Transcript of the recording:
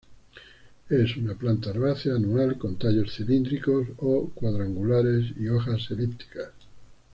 Es una planta herbácea anual con tallos cilíndricos o cuadrangulares y hojas elípticas.